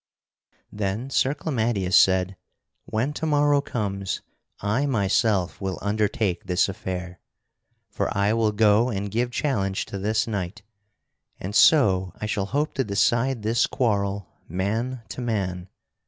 Then Sir Clamadius said: "When to morrow comes, I myself will undertake this affair. For I will go and give challenge to this knight, and so I shall hope to decide this quarrel man to man.